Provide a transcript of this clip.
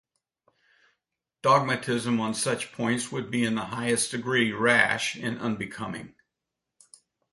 Dogmatism on such points would be in the highest degree rash and unbecoming.